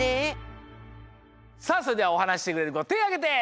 それではおはなししてくれるこてをあげて！